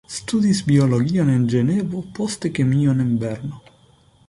Studis biologion en Ĝenevo, poste kemion en Berno.